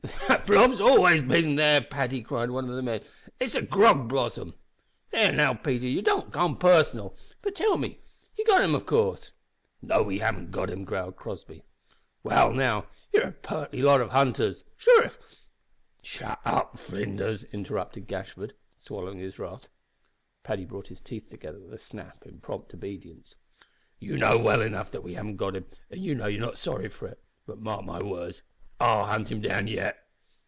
"That blob's always there, Paddy," cried one of the men; "it's a grog blossom." "There now, Peter, don't become personal. But tell me ye've got him, av coorse?" "No, we haven't got him," growled Crossby. "Well, now, you're a purty lot o' hunters. Sure if " "Come, shut up, Flinders," interrupted Gashford, swallowing his wrath. (Paddy brought his teeth together with a snap in prompt obedience.) "You know well enough that we haven't got him, and you know you're not sorry for it; but mark my words, I'll hunt him down yet.